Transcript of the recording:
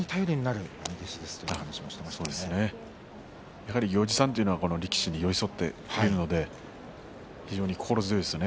やはり行司さんというのは力士に寄り添っていくので非常に心強いですね。